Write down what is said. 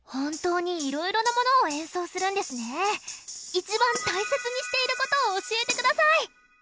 いちばん大切にしていることを教えてください！